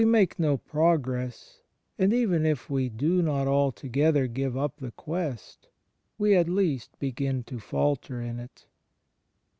124 ^["HE FBIENDSHIP OF CHRIST progress, and, even if we do not altogether give up the quest, we at least begin to falter in it.